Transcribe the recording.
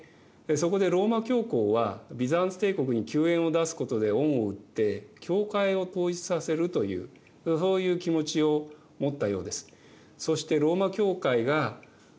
そこでローマ教皇はビザンツ帝国に救援を出すことで恩を売って教会を統一させるというそういう気持ちを持ったようです。